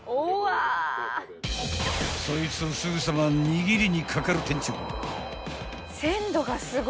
［そいつをすぐさま握りにかかる店長］